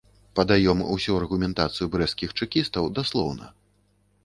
Падаём усю аргументацыю брэсцкіх чэкістаў даслоўна.